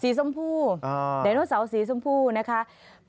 ชมพูดไดโนเสาร์สีชมพูนะคะ